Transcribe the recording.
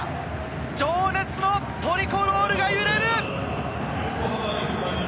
情熱のトリコロールが揺れる！